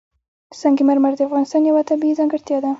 سنگ مرمر د افغانستان یوه طبیعي ځانګړتیا ده.